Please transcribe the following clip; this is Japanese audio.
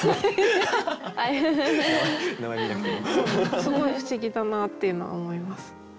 すごい不思議だなっていうのは思います。